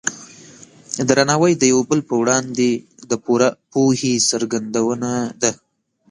درناوی د یو بل په وړاندې د پوره پوهې څرګندونه ده.